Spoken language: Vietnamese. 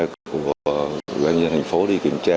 của quân nhân thành phố đi kiểm tra